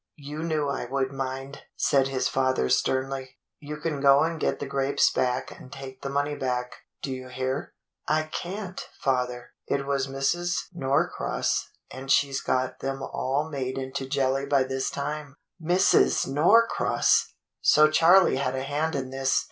"You knew I would mind," said his father sternly. "You can go and get the grapes back and take the money back. Do you hear. f^" "I can't, father. It was Mrs. Norcross, and she's got them all made into jelly by this time." "Mrs. Norcross! So Charley had a hand in this.